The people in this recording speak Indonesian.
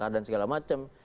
dan segala macam